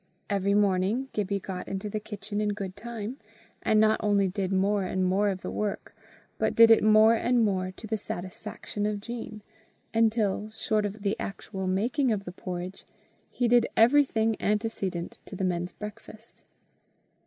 Every morning, Gibbie got into the kitchen in good time; and not only did more and more of the work, but did it more and more to the satisfaction of Jean, until, short of the actual making of the porridge, he did everything antecedent to the men's breakfast.